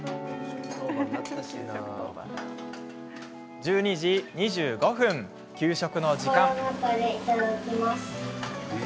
１２時２５分給食の時間。